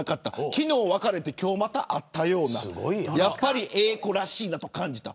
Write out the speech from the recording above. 昨日別れて今日また会ったようなやっぱりＡ子らしいなと感じた。